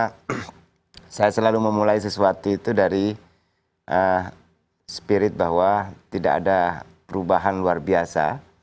karena saya selalu memulai sesuatu itu dari spirit bahwa tidak ada perubahan luar biasa